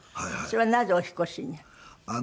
それはなぜお引っ越しに？